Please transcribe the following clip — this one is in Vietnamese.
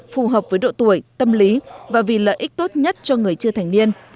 phù hợp với độ tuổi tâm lý và vì lợi ích tốt nhất cho người chưa thành niên